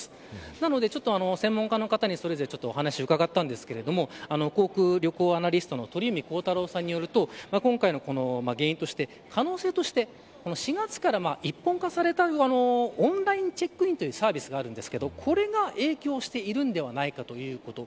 なので、専門家の方にそれぞれお話を伺ったんですが航空旅行アナリストの鳥海高太朗さんによると今回の原因として可能性として４月から一本化されたオンラインチェックインというサービスがあるんですがこれが影響しているのではないかということ。